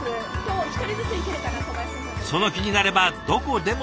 その気になればどこでも学べる。